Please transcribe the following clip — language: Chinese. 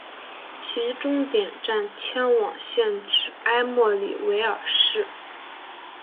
其终点站迁往现址埃默里维尔市。